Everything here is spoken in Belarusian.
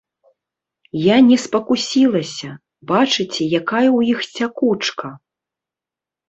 Я не спакусілася, бачыце, якая ў іх цякучка?